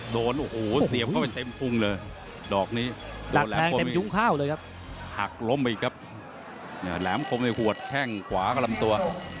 ตรงในขวดแข้งขวากลำตัว